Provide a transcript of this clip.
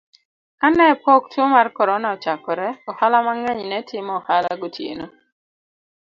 Kane pok tuwo mar Corona ochakore, ohala mang'eny ne timo ohala gotieno,